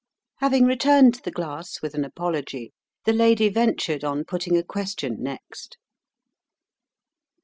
Having returned the glass with an apology, the lady ventured on putting a question next.